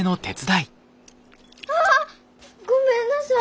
ああごめんなさい。